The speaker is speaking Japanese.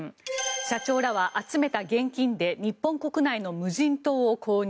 社長らは集めた現金で日本国内の無人島を購入。